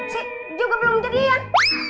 saya juga belum jadian